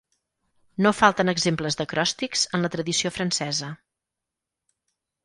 No falten exemples d'acròstics en la tradició francesa.